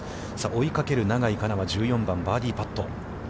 追いかける永井花奈は、１４番、バーディーパット。